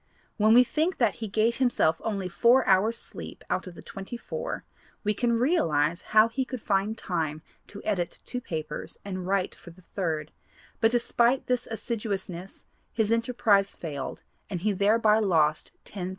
When we think that he gave himself only four hours sleep out of the twenty four, we can realize how he could find time to edit two papers and write for the third, but despite this assiduousness his enterprise failed and he thereby lost $10,000.